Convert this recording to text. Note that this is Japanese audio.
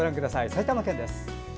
埼玉県です。